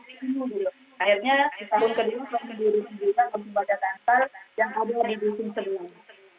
di dunia juga bisa dididik